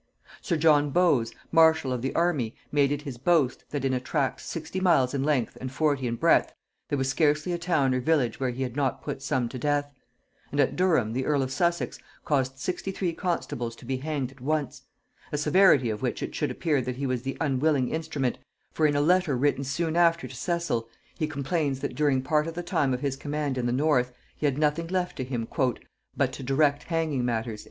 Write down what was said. Sir John Bowes, marshal of the army, made it his boast, that in a tract sixty miles in length and forty in breadth, there was scarcely a town or village where he had not put some to death; and at Durham the earl of Sussex caused sixty three constables to be hanged at once; a severity of which it should appear that he was the unwilling instrument; for in a letter written soon after to Cecil he complains, that during part of the time of his command in the north he had nothing left to him "but to direct hanging matters."